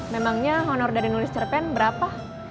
memangnya honor dari nulis cerpen berapa